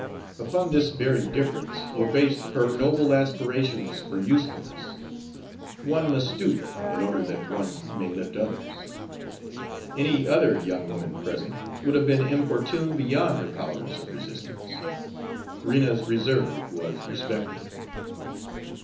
Upon this very difference were based her noble aspirations for usefulness, one must stoop in order that one may lift others. Any other young woman present would have been importuned beyond her powers of resistance. Rena's reserve was respected.